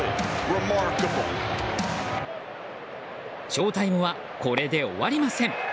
ショータイムはこれで終わりません。